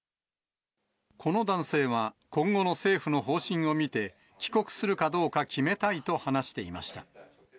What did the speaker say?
この男性は、今後の政府の方針を見て、帰国するかどうか決めたいと話していました。